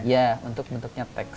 iya untuk bentuknya teks